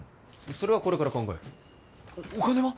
それはこれから考えるお金は？